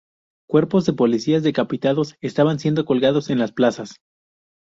Cuerpos de policías decapitados estaban siendo colgados en las plazas.